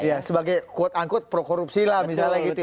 ya sebagai quote unquote pro korupsi lah misalnya gitu ya